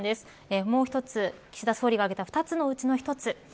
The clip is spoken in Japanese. もう一つ岸田総理が挙げた２つのうちの一つ。